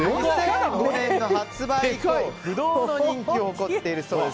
発売以降不動の人気を誇っているそうです。